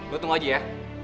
lo tunggu aja ya